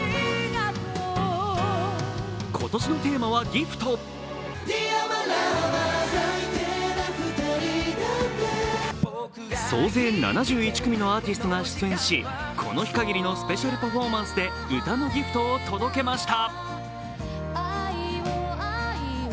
今年のテーマは「ＧＩＦＴギフト」総勢７１組のアーティストが出演しこの日かぎりのスペシャルパフォーマンスで歌のギフトを届けました。